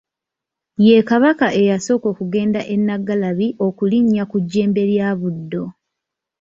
Ye Kabaka eyasooka okugenda e Naggalabi okulinnya ku jjembe lya Buddo.